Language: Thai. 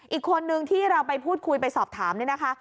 อีกคนนึงที่เราไปพูดคุยไปสอบถามเนี่ยนะคะ